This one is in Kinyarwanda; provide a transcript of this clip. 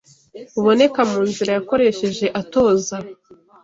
buboneka mu nzira yakoresheje atoza